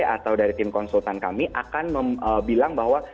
atau dari tim konsultan kami akan bilang bahwa